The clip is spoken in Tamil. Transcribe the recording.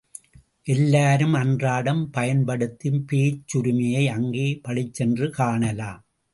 எல்லாரும் அன்றாடம் பயன்படுத்தும் பேச்சுரிமையை அங்கே பளிச்சென்று காணலாம்.